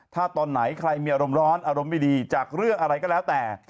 ถ้าตอนไหนใครมีอารมณ์ร้อนอารมณ์ไม่ดีจากเรื่องอะไรก็แล้วแต่